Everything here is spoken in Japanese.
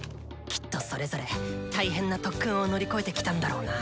きっとそれぞれ大変な特訓を乗り越えてきたんだろうな。